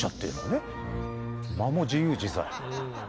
間も自由自在。